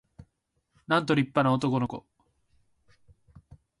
なんと立派な男の子